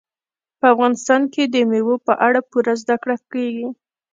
په افغانستان کې د مېوو په اړه پوره زده کړه کېږي.